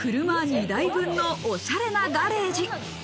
車２台分のおしゃれなガレージ。